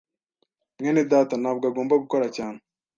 mwene data ntabwo agomba gukora cyane.